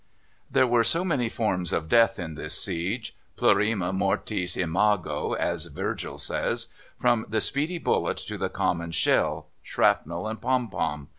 There were so many forms of death in this siege plurima mortis imago, as Virgil says from the speedy bullet to the common shell, shrapnel, and pom pom.